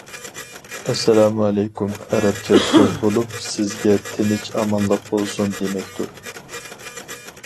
« ئەسسالامۇئەلەيكۇم» ئەرەبچە سۆز بولۇپ،« سىزگە تىنچ- ئامانلىق بولسۇن» دېمەكتۇر.